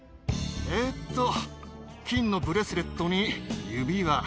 えーと、金のブレスレットに指輪。